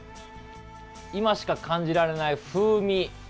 今しか感じられない風味